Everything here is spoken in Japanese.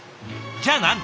じゃあ何で？